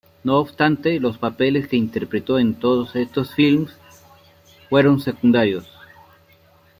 No obstante, los papeles que interpretó en todos estos filmes fueron secundarios.